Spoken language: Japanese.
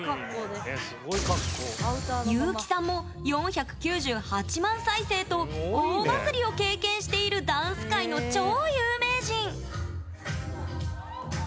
ゆうきさんも４９８万再生と大バズりを経験しているダンス界の超有名人！